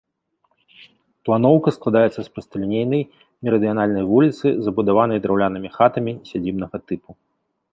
Планоўка складаецца з прасталінейнай мерыдыянальнай вуліцы, забудаванай драўлянымі хатамі сядзібнага тыпу.